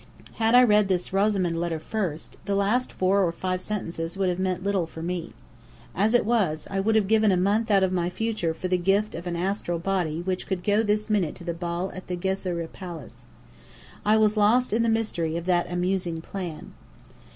Had I read this Rosamond letter first, the last four or five sentences would have meant little for me. As it was, I would have given a month out of my future for the gift of an astral body which could go this minute to the ball at the Ghezireh Palace. I was lost in the mystery of that "amusing plan."